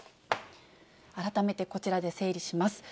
改めてこちらで整理します。